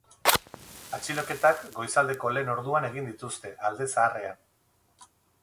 Atxiloketak goizaldeko lehen orduan egin dituzte, alde zaharrean.